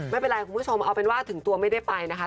ไม่เป็นไรคุณผู้ชมเอาเป็นว่าถึงตัวไม่ได้ไปนะคะ